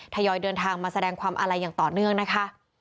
ทยอยเดินทางมาแสดงความอาลัยอย่างต่อเนื่องนะคะ